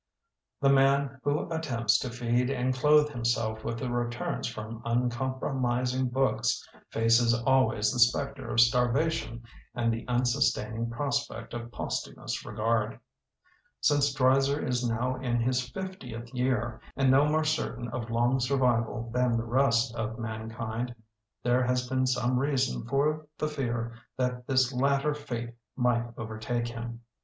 The man who attempts to feed and clothe himself with the returns from uncompromising books faces al ways the spectre of starvation and the unsustaining prospect of posthumous regard. Since Dreiser is now in his fiftieth year and no more certain of long survival than the rest of man kind, there has been some reason for the fear that this latter fate might overtake him.